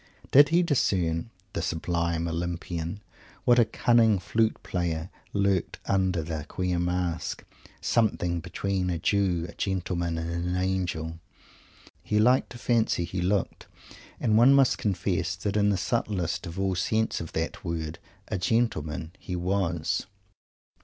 Did he discern the sublime Olympian what a cunning flute player lurked under the queer mask? "Something between a Jew, a Gentleman and an Angel" he liked to fancy he looked; and one must confess that in the subtlest of all senses of that word, a gentleman he was.